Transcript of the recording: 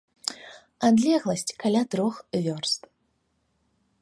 Адлегласць каля трох вёрст.